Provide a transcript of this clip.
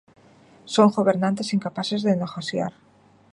Son gobernantes incapaces de negociar.